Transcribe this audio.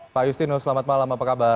pak justinus selamat malam apa kabar